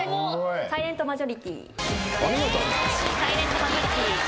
『サイレントマジョリティー』お見事。